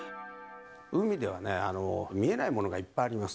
海ではね、見えないものがいっぱいあります。